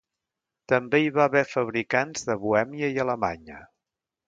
També hi va haver fabricants de Bohèmia i Alemanya.